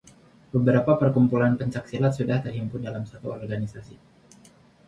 beberapa perkumpulan pencak silat sudah terhimpun dalam satu organisasi